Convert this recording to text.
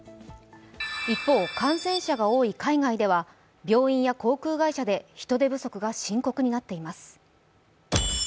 一方、感染者が多い海外では病院や航空会社で人手不足が深刻になっています。